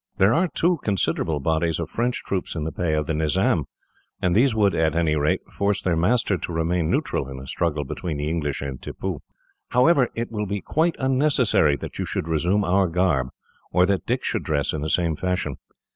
"There are, too, considerable bodies of French troops in the pay of the Nizam, and these would, at any rate, force their master to remain neutral in a struggle between the English and Tippoo. "However, it will be quite unnecessary that you should resume our garb, or that Dick should dress in the same fashion.